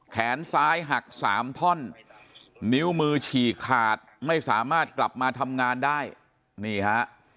แขนซ้ายหักสามท่อนนิ้วมือฉี่ขาดไม่สามารถกลับมาทำงานได้นี่ฮะ